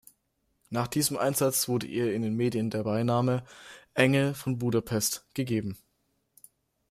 Nach diesem Einsatz wurde ihr in den Medien der Beiname „Engel von Budapest“ gegeben.